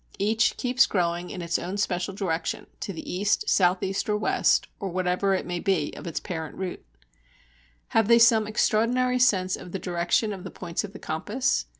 Each keeps growing in its own special direction to the east, south east, or west, or whatever it may be, of its parent root. Have they some extraordinary sense of the direction of the points of the compass?